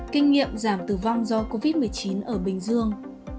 kinh nghiệm giảm tử vong do covid một mươi chín ở bình dương